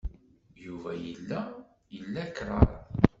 Yuba yella ila kraḍ.